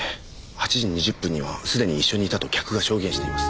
８時２０分にはすでに一緒にいたと客が証言しています。